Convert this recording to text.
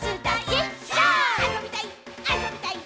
あそびたい！